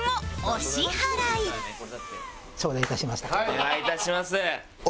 お願いいたします。